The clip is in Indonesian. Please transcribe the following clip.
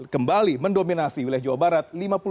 kembali mendominasi wilayah jawa barat